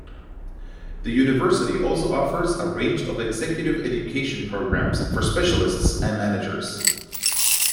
The University also offers a range of executive education programmes for specialists and managers.